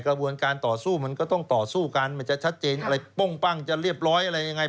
กระบวนการต่อสู้มันก็ต้องต่อสู้กันมันจะชัดเจนอะไรป้งปั้งจะเรียบร้อยอะไรยังไง